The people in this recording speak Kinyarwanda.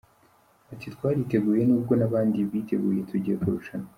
Ati “Twariteguye n’ubwo n’abandi biteguye tugiye kurushanwa.”